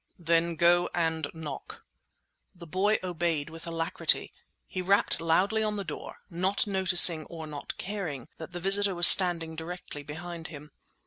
"Then go and knock!" The boy obeyed with alacrity. He rapped loudly on the door, not noticing or not caring that the visitor was standing directly behind him.